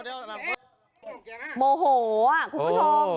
มมมมมโหมโหอ่ะคุณผู้ชม